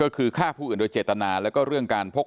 และความปกติจรรย์